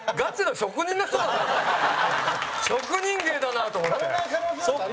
職人芸だなと思って。